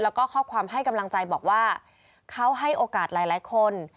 แล้วก็ข้อความให้กำลังใจบอกว่าเขาให้โอกาสหลายคน